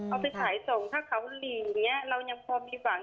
เอาไปขายส่งถ้าเขาหลีอย่างนี้เรายังพอมีหวัง